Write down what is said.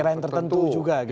airline tertentu juga gitu ya